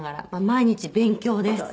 毎日勉強です。